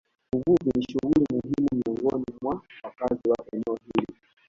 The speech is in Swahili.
Uvuvi ni shughuli muhimu miongoni mwa wakazi wa eneo hili